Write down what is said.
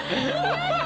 やだ。